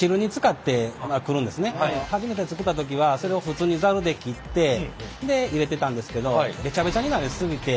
初めて作った時はそれを普通にザルで切ってで入れてたんですけどベチャベチャになり過ぎて。